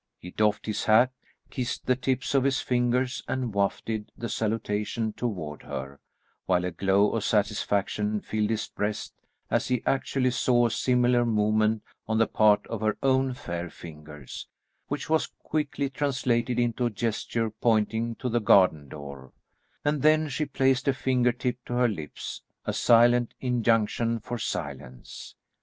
He doffed his hat, kissed the tips of his fingers and wafted the salutation toward her, while a glow of satisfaction filled his breast as he actually saw a similar movement on the part of her own fair fingers, which was quickly translated into a gesture pointing to the garden door, and then she placed a finger tip to her lips, a silent injunction for silence.